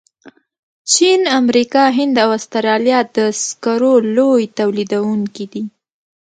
چین، امریکا، هند او استرالیا د سکرو لوی تولیدونکي دي.